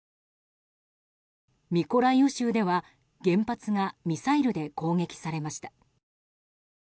ミコライウ州では、原発がミサイルで攻撃されました。